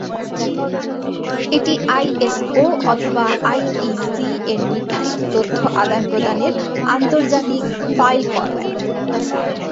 এটি আইএসও/আইইসি এর নির্ধারিত তথ্য আদান প্রদানের আন্তর্জাতিক ফাইল ফরম্যাট।